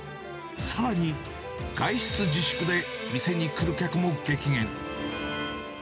さらに、外出自粛で店に来る客も激減。